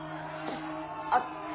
あっ！